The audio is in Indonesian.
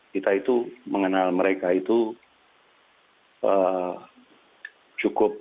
kita itu mengenal mereka itu cukup